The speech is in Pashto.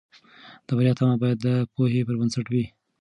د بریا تمه باید د پوهې پر بنسټ وي.